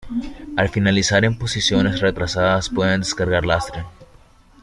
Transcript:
Al finalizar en posiciones retrasadas, pueden descargar lastre.